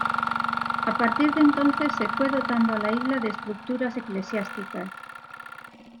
A partir de entonces se fue dotando a la isla de estructuras eclesiásticas.